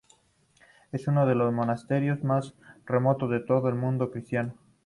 Es uno de los monasterios más remotos de todo el mundo cristiano.